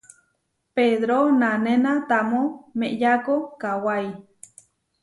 Pedro nanéna tamó meʼeyako kawái.